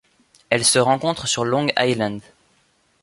Elle se rencontre sur Long Island.